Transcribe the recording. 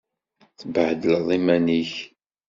Tebbhedleḍ iman-ik.